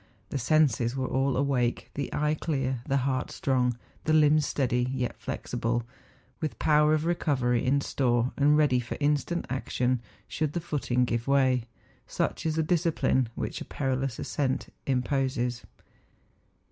The senses were all awake, the eye clear, the heart strong, the limbs steady, yet flexible, with power of recovery in store, and ready for instant action should the footing give way. Such is the discipline which a perilous ascent imposes.